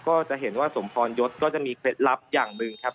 ก็จะเห็นว่าสมพรยศก็จะมีเคล็ดลับอย่างหนึ่งครับ